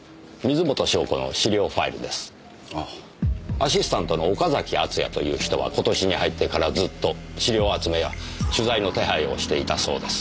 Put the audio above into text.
アシスタントの岡崎敦也という人は今年に入ってからずっと資料集めや取材の手配をしていたそうです。